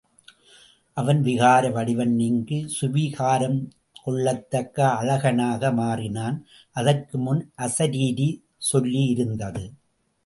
அவன் விகார வடிவம் நீங்கி சுவீகாரம் கொள்ளத்தக்க அழகனாக மாறினான். அதற்கு முன் அசரீரி சொல்லி இருந்தது.